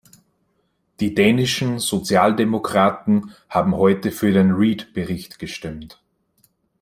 Die dänischen Sozialdemokraten haben heute für den Read-Bericht gestimmt.